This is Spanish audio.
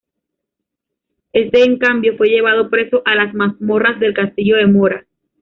Éste, en cambio, fue llevado preso a las mazmorras del castillo de Mora.